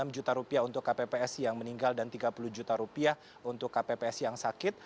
enam juta rupiah untuk kpps yang meninggal dan tiga puluh juta rupiah untuk kpps yang sakit